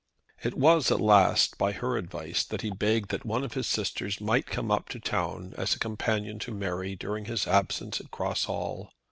It was at last, by her advice, that he begged that one of his sisters might come up to town, as a companion to Mary during his absence at Cross Hall.